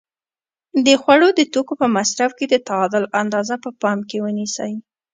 د خوړو د توکو په مصرف کې د تعادل اندازه په پام کې ونیسئ.